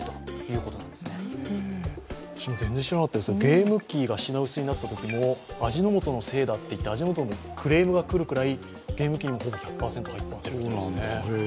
ゲーム機が品薄になったときも味の素のせいだといって味の素にクレームが来るくらい、ゲーム機には１００％入っているそうですね。